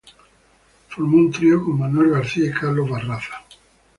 Formó un trío con Manuel García y Carlos Barraza.